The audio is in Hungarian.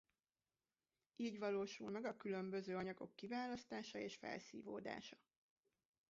Így valósul meg a különböző anyagok kiválasztása és felszívódása.